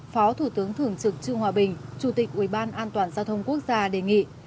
phó thủ tướng thường trực trương hòa bình chủ tịch ubanggqg đề nghị